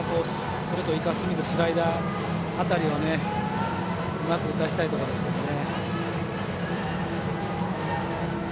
ストレート、スライダー辺りをうまく打たせたいところですね。